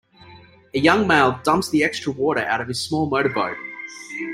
A young male dumps the extra water out of his small motorboat.